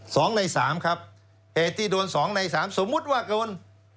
สองในสามครับเหตุที่โดนสองในสามสมมุติว่าเกิน